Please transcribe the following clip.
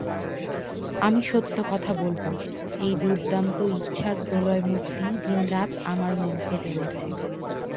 আমি সত্য কথা বলব, এই দুর্দান্ত ইচ্ছার প্রলয়মূর্তি দিন রাত আমার মনকে টেনেছে।